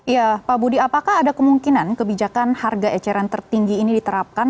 ya pak budi apakah ada kemungkinan kebijakan harga eceran tertinggi ini diterapkan